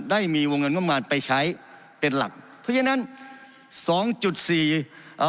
ได้มีวงเงินงบประมาณไปใช้เป็นหลักเพราะฉะนั้นสองจุดสี่เอ่อ